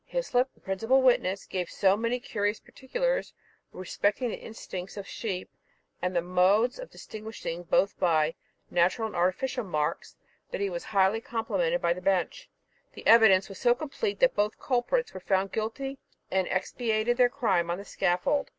Hyslop, the principal witness, gave so many curious particulars respecting the instincts of sheep, and the modes of distinguishing them both by natural and artificial marks, that he was highly complimented by the bench. The evidence was so complete, that both culprits were found guilty and expiated their crime on the scaffold.